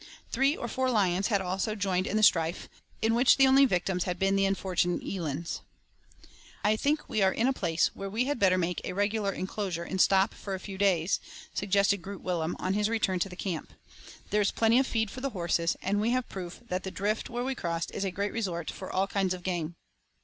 Three or four lions had also joined in the strife, in which the only victims had been the unfortunate elands. "I think we are in a place where we had better make a regular enclosure, and stop for a few days," suggested Groot Willem, on his return to the camp. "There is plenty of feed for the horses, and we have proof that the `drift' where we crossed is a great resort for all kinds of game."